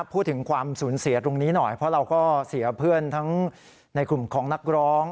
พูดถึงความสูญเสียตรงนี้หน่อยเพราะเราก็เสียเพื่อนทั้งในกลุ่มของนักร้อง